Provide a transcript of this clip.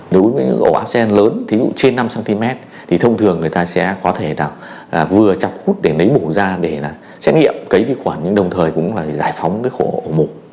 đối với những cái ổ áp xe gan lớn thí dụ trên năm cm thì thông thường người ta sẽ có thể nào vừa chọc hút để lấy mổ ra để là xét nghiệm cái vi khuẩn nhưng đồng thời cũng là giải phóng cái khổ ổ mổ